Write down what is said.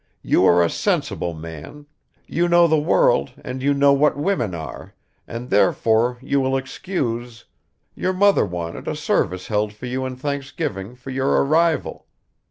. you are a sensible man, you know the world and you know what women are, and therefore you will excuse ... your mother wanted a service held for you in thanksgiving, for your arrival.